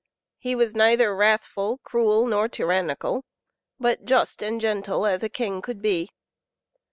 He was neither wrathful, cruel, nor tyrannical, but just and gentle as a king could be.